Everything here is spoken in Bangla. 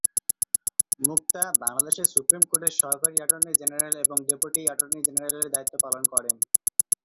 মুক্তা বাংলাদেশের সুপ্রিম কোর্টের সহকারী এটর্নি জেনারেল এবং ডেপুটি এটর্নি জেনারেলের দায়িত্ব পালন করেন।